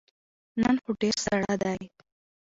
نن خو ډیر ساړه دی